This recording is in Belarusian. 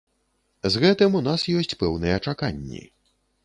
З гэтым у нас ёсць пэўныя чаканні.